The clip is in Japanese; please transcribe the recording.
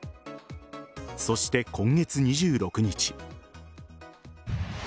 そして今月２６日。